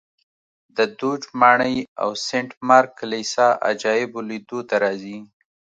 د دوج ماڼۍ او سنټ مارک کلیسا عجایبو لیدو ته راځي